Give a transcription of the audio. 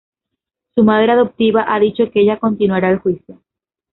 Su madre adoptiva ha dicho que ella continuará el juicio.